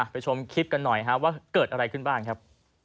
ชมคลิปกันหน่อยว่าเกิดอะไรขึ้นบ้างครับ